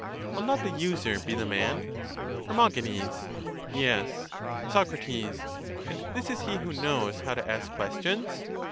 Will not the user be the man? Her. Yes. Soc. And this is he who knows how to ask questions?